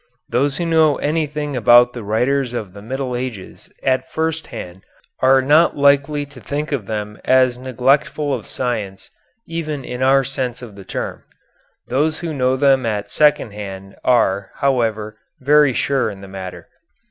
Those who know anything about the writers of the Middle Ages at first hand are not likely to think of them as neglectful of science even in our sense of the term. Those who know them at second hand are, however, very sure in the matter.